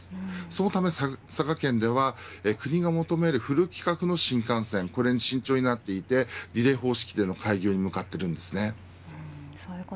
そのため佐賀県では国の求めるフル規格の新幹線に慎重になっていてリレー方式での開業へと向かっています。